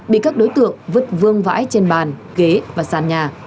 bị các đối tượng vứt vương vãi trên bàn ghế và sàn nhà